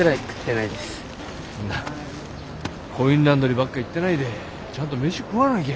なコインランドリーばっか行ってないでちゃんと飯食わなきゃ。